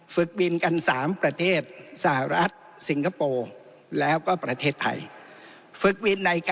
บินกัน๓ประเทศสหรัฐสิงคโปร์แล้วก็ประเทศไทย